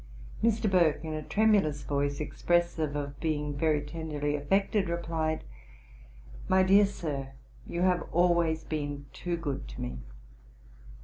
Mr. Burke, in a tremulous voice, expressive of being very tenderly affected, replied, "My dear Sir, you have always been too good to me."